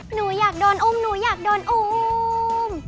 หนูอยากโดนอุ้มหนูอยากโดนอุ้ม